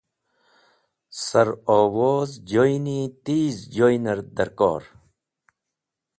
Sar owoz joyni tiz joynẽr dẽrkor.